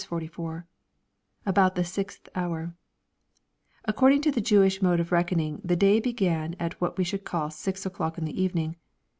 44, — [About the sixth houri\ According to the Jewish mode of reck oning, the day began at what we should call six o'clock in the evening.